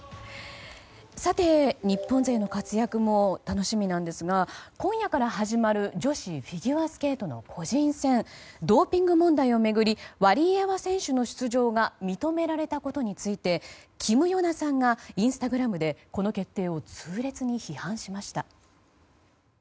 さて、日本勢の活躍も楽しみなんですが今夜から始まる女子フィギュアスケートの個人戦ドーピング問題を巡りワリエワ選手の出場が認められたことについてキム・ヨナさんがインスタグラムでこの決定を痛烈に批判しました。